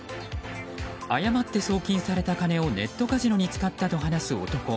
誤って送金された金をネットカジノに使ったと話す男。